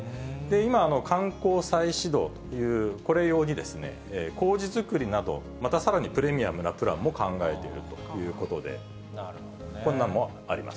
今、観光再始動という、これ用にこうじ造りなど、また、さらにプレミアムなプランも考えているということで、こんなのもあります。